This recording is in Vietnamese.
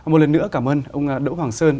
một lần nữa cảm ơn ông đỗ hoàng sơn